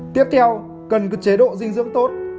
tiếp theo cần có chế độ dinh dưỡng tốt